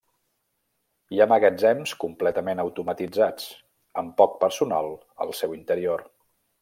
Hi ha magatzems completament automatitzats, amb poc personal al seu interior.